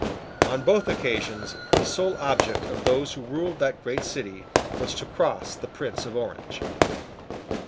On both occasions, the sole object of those who ruled that great city was to cross the Prince of Orange.